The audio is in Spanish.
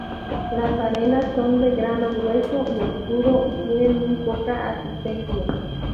Las arenas son de grano grueso y oscuro y tiene muy poca asistencia.